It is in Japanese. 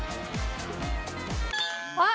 あっ！